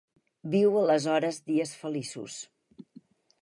Viu aleshores dies feliços.